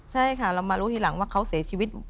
ใช่ค่ะเรามารู้ทีหลังว่าเขาเสียชีวิต